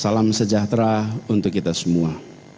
salam sejahtera untuk kita semua